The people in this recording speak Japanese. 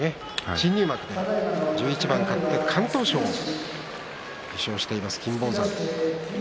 新入幕で１１番勝って敢闘賞を受賞しています、金峰山。